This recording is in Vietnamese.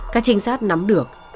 các trinh sát nắm được